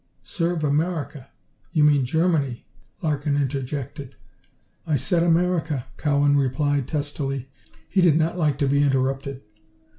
"Serve America? You mean Germany?" Larkin interjected. "I said America," Cowan replied testily. He did not like to be interrupted.